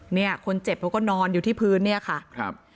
เนี่ยคนเจ็บเขาก็นอนอยู่ที่พื้นเนี่ยค่ะครับ